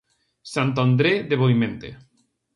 Santo André de Boimente.